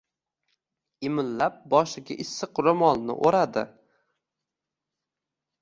imillab boshiga issiq roʻmolini oʻradi.